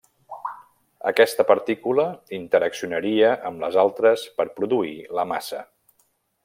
Aquesta partícula interaccionaria amb les altres per produir la massa.